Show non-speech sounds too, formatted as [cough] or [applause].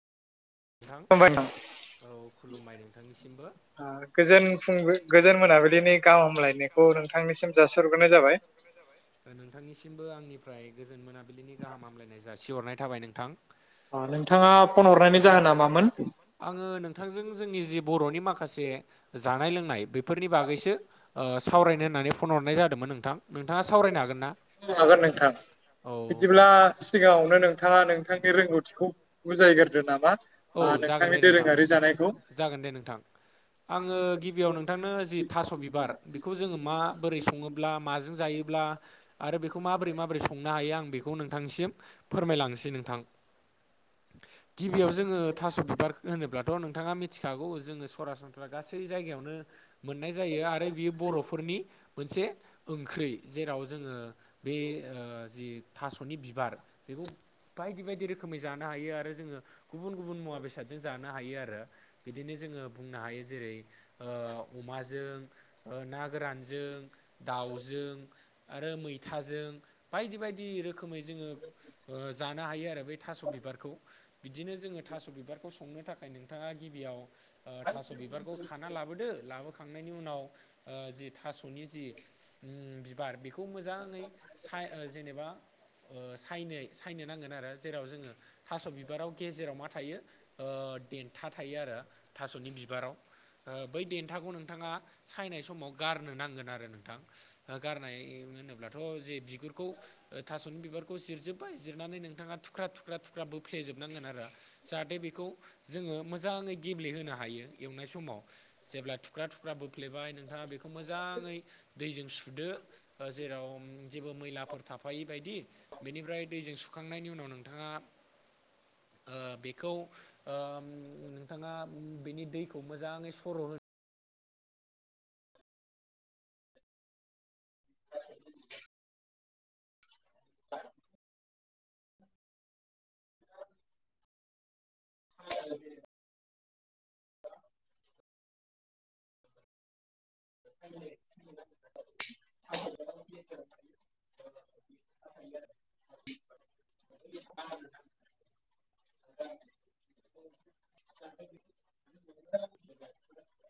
नोंथां [unintelligible] औ खुलुमबाय नोंथांनिसिमबो गोजोन फुं गोजोन मोनाबिलिनि गाहाम हामलायनायखौ नोंथांनिसिम जाासरग्रोनाय जाबाय। नाय जाबाय नोंथांनिसिमबो आंनिफ्राय गोजोन मोनाबिलिनि गाहाम हामलायनाय जासिहरनाय थाबाय नोंथां। अ नोंथाङा फन हरनायनि जाहोना मामोन? आङो नोंथांजों जोंनि जि बर'नि माखासे जानाय लोंनाय बेफोरनि बागैसो ओ सावरायनो होननानै फन हरनाय जादोंमोन नोंथां। नोंथाङा सावरायनो हागोन ना हागोन नोंथां औ बिदिब्ला सिगाङावनो नोंथाङा नोंथांनि रोंगौथिखौ बुजायगोरदो नामा? औ जागोन नोंथांनि दे नोंथां, दोरोङारि जानायखौ जागोन दे नोंथां। आङो गिबियाव नोंथांनो जि थास' बिबार बेखौ जोङो मा बोरै सङोब्ला माजों जायो ब्ला आरो बेखौ माबोरै माबोरै सनो हायो आं बेखौ नोंथांनिसिम फोरमायलांनोसै नोंथां। गिबियाव जोङो थास' बिबार होनोब्लाथ' नोंथाङा मिथिखागौ जोङो सरासनस्रा गासै जायगायावनो मोननाय जायो आरो बियो बर'फोरनि मोनसे ओंख्रि जेराव जोङो बे जि थास'नि बिबार बेखौ बायदि बायदि रोखोमै जानो हायो आरो जोङो गुबुन गुबुन मुवा बेसादजों जानो हायो आरो बिदिनो जोङो बुंनो हायो जेरै ओ अमाजों ना गोरानजों दाउजों आरो मैथाजों बायदि बायदि रो खोमै जोङो जानो हायो आरो बै थास' बिबारखौ बिदिनो जोङो थास' बिबारखौ संनो थाखाय नोंथाङा गिबियाव थास' बिबारखौ खाना लाबोदो लाबोखांनायनि उनाव जि थास'नि जि बिबार बे खौ मोजाङै साय ओ जेनेबा ओ सायनाय सायनो नांगोन आरो जेराव जोङो थास' बि बाराव गेजेराव मा थायो ओ देन्था थायो आरो थास'नि बिबाराव ओ बै देन्थाखौ नोंथाङा सायनाय समाव गारनो नांगोन आरो नोंथां। गारनाय होनोब्लाथ' जे बिगुरखौ थास'नि बिबारखौ जिरजोब्बाय जिरनानै नोंथाङा थुख्रा थुख्रा थुख्रा बो फ्लेजोबनांगोन आरो जाहाथे बेखौ जोङो मोजाङै गेब्लेहोनो हायो एवनाय समाव जेब्ला थुख्रा थुख्रा बोफ्लेबाय नोंथाङा बेखौ मोजाङै दैजों सुदो जेराव जेबो मैलाफोर थाफायि बायदि बेनिफ्राय दैजों सुखांनायनि उनाव नोंथाङा ओ बेखौ ओम नोंथाङा बेनि दैखौ मोजाङै सर' [inaudible] [inaudible] [inaudible] आ [unintelligible] [unintelligible] ज [unintelligible] [unintelligible]